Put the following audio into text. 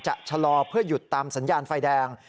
ชะลอเพื่อหยุดตามสัญญาณไฟแดง